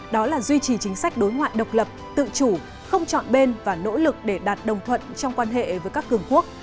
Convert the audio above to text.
đó là duy trì chính sách đối ngoại độc lập tự chủ không chọn bên và nỗ lực để đạt đồng thuận trong quan hệ với các cường quốc